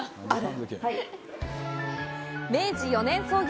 明治４年創業。